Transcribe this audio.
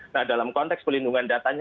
nah dalam konteks pelindungan datanya